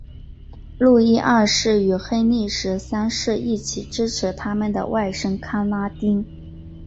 路易二世与亨利十三世一起支持他们的外甥康拉丁。